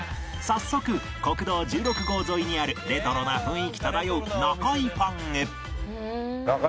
早速国道１６号沿いにあるレトロな雰囲気漂う中井パンへ